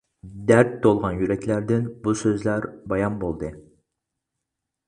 دەرد تولغان يۈرەكلەردىن، بۇ سۆزلەر بايان بولدى.